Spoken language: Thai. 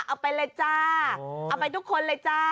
เอาไปทุกคนเลยจ้ะ